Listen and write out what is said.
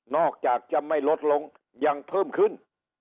อกจากจะไม่ลดลงยังเพิ่มขึ้น